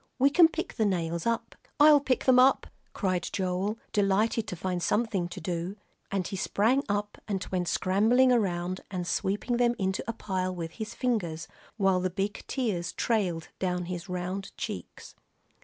"We can pick the nails up." "I'll pick 'em up," cried Joel, delighted to find something to do, and he sprang up and went scrambling around and sweeping them into a pile with his fingers, while the big tears trailed down his round cheeks.